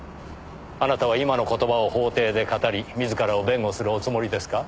あなたは今の言葉を法廷で語り自らを弁護するおつもりですか？